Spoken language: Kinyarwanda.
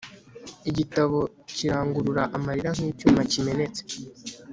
Igitabo kirangurura amarira nkicyuma kimenetse